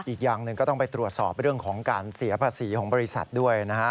อีกอย่างหนึ่งก็ต้องไปตรวจสอบเรื่องของการเสียภาษีของบริษัทด้วยนะฮะ